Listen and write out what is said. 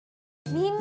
みんな！